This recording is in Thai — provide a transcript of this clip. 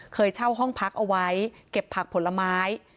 เคยเช่าห้องพักเอาไว้เก็บผักผลไม้